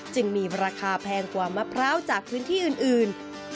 จึงมีราคาแพงกว่ามะพร้าวจากพื้นที่อื่น